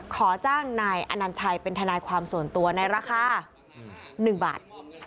ขอจ้างนายอนัญชัยเป็นทนายความส่วนตัวในราคา๑บาท